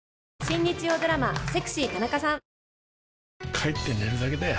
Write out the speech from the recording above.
帰って寝るだけだよ